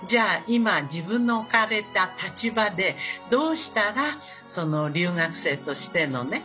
今自分の置かれた立場でどうしたら留学生としてのね